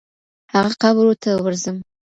هغه قبرو ته ورځم